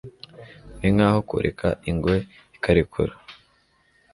Ninkaho kureka ingwe ikarekura.